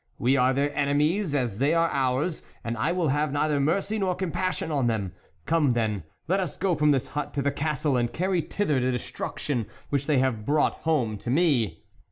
We are their enemies as they are ours ; and I will have neither mercy nor compassion on them. Come then, let us go from this hut to the Castle, and carry thither the desolation which they have brought home to me."